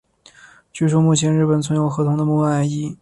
据说目前日本存有河童的木乃伊。